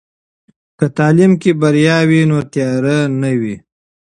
که تعلیم کې بریا وي، نو تیارې نه وي.